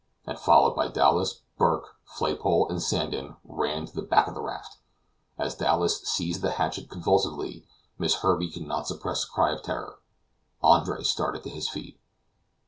and followed by Dowlas, Burke, Flaypole, and Sandon, ran to the back of the raft. As Dowlas seized the hatchet convulsively, Miss Herbey could not suppress a cry of terror. Andre started to his feet.